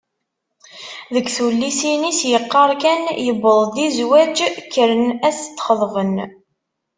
Deg tullisin-is yeqqar kan: “yewweḍ-d i zzwaj, kkren ad s-d-xeḍben”.